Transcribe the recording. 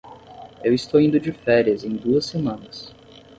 Eu estou indo de férias em duas semanas.